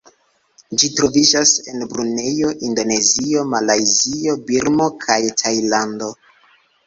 Ĝi troviĝas en Brunejo, Indonezio, Malajzio, Birmo kaj Tajlando.